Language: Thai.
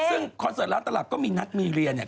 ซึ่งคอนเสิร์ตร้านตลับก็มีนัดมีเรียนเนี่ย